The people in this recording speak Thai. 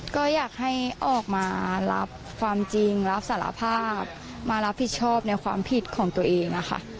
ก็อยากให้ออกมารับความจริงรับสารภาพมารับผิดชอบในความผิดของตัวเองนะคะ